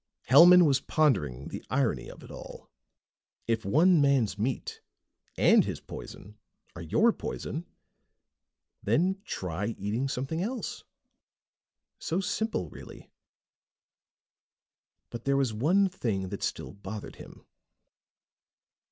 Hellman was pondering the irony of it all. If one man's meat and his poison are your poison, then try eating something else. So simple, really. But there was one thing that still bothered him.